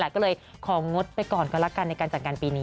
ก็เลยของงดไปก่อนก็แล้วกันในการจัดงานปีนี้